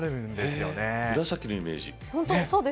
紫のイメージ。